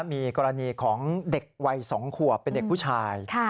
มีกรณีของเด็กวัย๒ขวบเป็นเด็กผู้ชาย